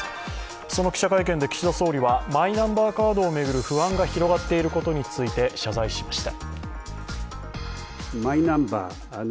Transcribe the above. その記者会見で岸田総理はマイナンバーカードを巡る不安が広がっていることについて、謝罪しました。